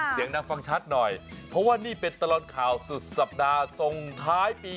เสียงดังฟังชัดหน่อยเพราะว่านี่เป็นตลอดข่าวสุดสัปดาห์ส่งท้ายปี